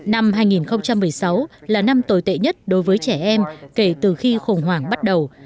năm hai nghìn một mươi sáu là năm tồi tệ nhất đối với trẻ em kể từ khi khủng hoảng bắt đầu